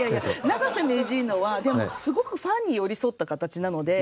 永瀬名人のはでもすごくファンに寄り添った形なので。